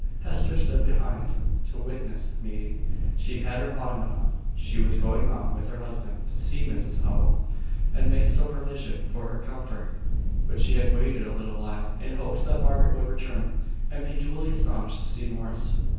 Hester stood behind to witness the meeting. She had her bonnet on: she was going with her husband to see Mrs Howell, and make some provision for her comfort: but she had waited a little while, in hopes that Margaret would return, and be duly astonished to see Morris.